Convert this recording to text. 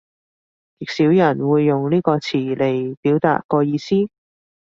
極少人會用呢個詞嚟表達個意思